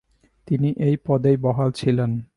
তিনি এই পদেই বহাল ছিলেন।